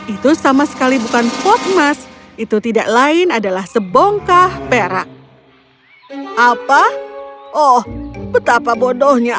itu sama sekali bukan pot emas itu tidak lain adalah sebongkah perak apa oh betapa bodohnya